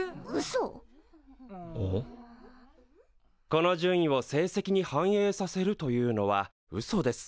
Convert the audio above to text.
この順位を成績に反映させるというのはうそです。